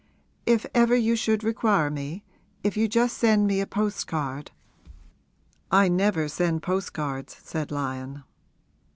'If ever you should require me, if you just send me a postcard ' 'I never send postcards,' said Lyon.